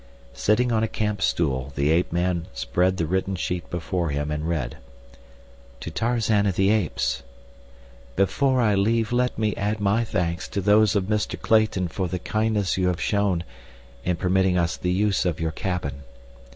Sitting on a camp stool the ape man spread the written sheet before him and read: TO TARZAN OF THE APES: Before I leave let me add my thanks to those of Mr. Clayton for the kindness you have shown in permitting us the use of your cabin.